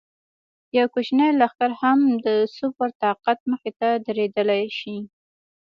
یو کوچنی لښکر هم د سوپر طاقت مخې ته درېدلی شي.